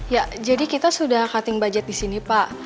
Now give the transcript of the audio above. ya jadi kita sudah cutting budget di sini pak